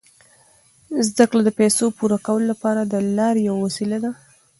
زده کړه د پیسو پوره کولو لپاره د لارې یوه وسیله ده.